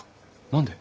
何で？